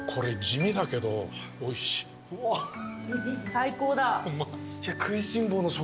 最高だ。